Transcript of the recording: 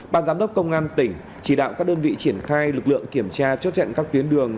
ban giám đốc công an tỉnh chỉ đạo các đơn vị triển khai lực lượng kiểm tra chốt chặn các tuyến đường